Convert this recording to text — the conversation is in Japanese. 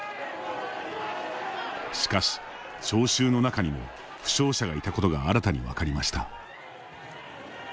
しかし、聴衆の中にも負傷者がいたことが新たに分かりました。